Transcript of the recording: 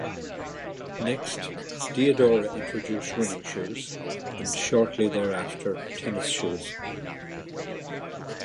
Next, Diadora introduced running shoes and shortly thereafter, tennis shoes.